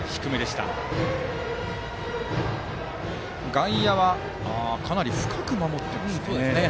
外野はかなり深く守っています。